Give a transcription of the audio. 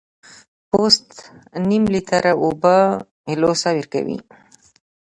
پوست نیم لیټر اوبه له لاسه ورکوي.